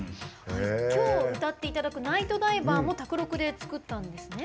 きょう歌っていただく「ナイトダイバー」も宅録で作ったんですね？